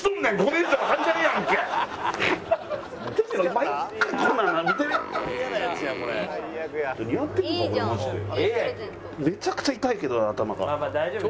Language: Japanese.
めちゃくちゃ痛いけどな頭が。